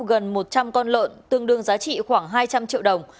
gần một trăm linh con lợn tương đương giá trị khoảng hai trăm linh triệu đồng